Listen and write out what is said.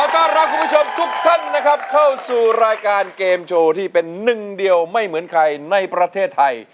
ต้อนรับคุณผู้ชมทุกท่านนะครับเข้าสู่รายการเกมโชว์ที่เป็นหนึ่งเดียวไม่เหมือนใครในประเทศไทย